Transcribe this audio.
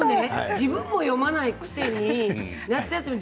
自分も読まないくせに夏休み